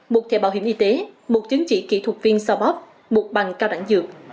một thẻ bảo hiểm y tế một chứng chỉ kỹ thuật viên sao bóp một bằng cao đẳng dược